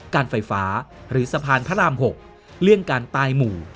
การไฟฟ้าหรือสะพานพระราม๖เลื่อนการตายหมู่